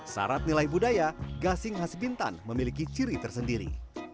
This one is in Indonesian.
syarat nilai budaya gasing khas bintan memiliki ciri tersendiri